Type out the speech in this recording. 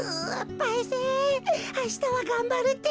パイセンあしたはがんばるってか。